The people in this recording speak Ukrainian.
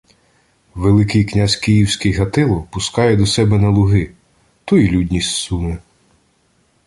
— Великий князь київський Гатило пускає до себе на Луги, то людність і суне.